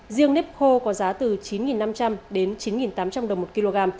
riêng nếp khô có giá từ chín năm trăm linh đến chín tám trăm linh đồng một kg